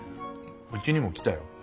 うちにも来たよ。